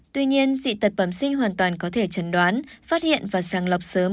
tuy nhiên dị tật bẩm sinh hoàn toàn có thể trần đoán phát hiện và sàng lọc sớm